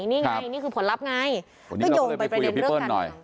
นี่ไงนี่คือผลลัพธ์ไงวันนี้เราก็เลยไปคุยกับพี่เปิ้ลหน่อย